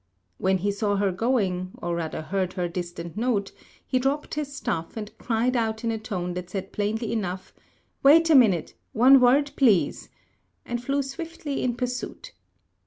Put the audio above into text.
When he saw her going, or rather heard her distant note, he dropped his stuff and cried out in a tone that said plainly enough, "Wait a minute: one word, please!" and flew swiftly in pursuit.